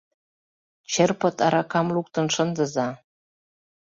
Черпыт аракам луктын шындыза.